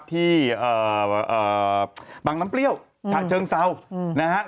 ที่บังน้ำเปรี้ยวฉะเชิงเซานะฮะ